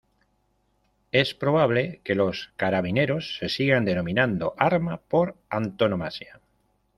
Es probable que los carabineros se sigan denominando Arma por antonomasia.